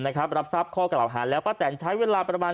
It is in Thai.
แต่ก็ยอมรับว่าห่วงลูกของตัวเองจะได้ผลกระทบนะ